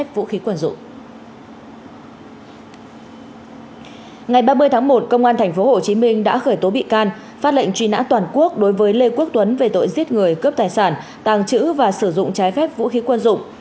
ngày ba mươi tháng một công an tp hcm đã khởi tố bị can phát lệnh truy nã toàn quốc đối với lê quốc tuấn về tội giết người cướp tài sản tàng trữ và sử dụng trái phép vũ khí quân dụng